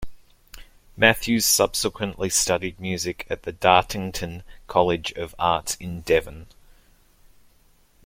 Matthews subsequently studied music at the Dartington College of Arts in Devon.